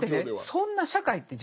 そんな社会って